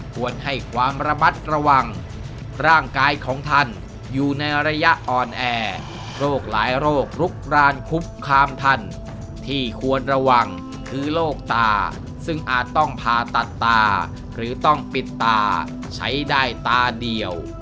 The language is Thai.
ควรให้ความระมัดระวังร่างกายของท่านอยู่ในระยะอ่อนแอโรคหลายโรคลุกรานคุกคามท่านที่ควรระวังคือโรคตาซึ่งอาจต้องผ่าตัดตาหรือต้องปิดตาใช้ได้ตาเดียว